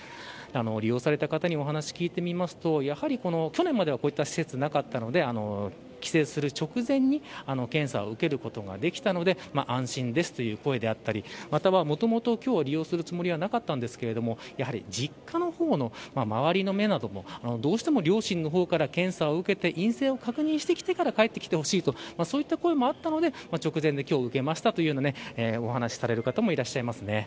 利用した方にお話を聞いてみますと去年まではこういった施設がなかったので帰省する直前に検査を受けることができたので安心ですという声だったりもともと今日は利用するつもりはなかったけれど実家の方の周りの目などもあってどうしても両親から検査を受けて陰性を確認してきてから帰ってきてほしいとそういった声もあったので直前で今日、受けましたというお話をされる方もいらっしゃいました。